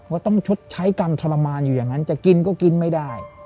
ว่าต้องชดใช้กรรมทรมานอยู่อย่างนั้นจะกินก็กินไม่ได้